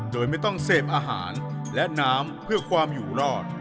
โดยไม่ต้องเสพอาหารและน้ำเพื่อความอยู่รอด